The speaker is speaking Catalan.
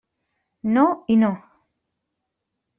No i no.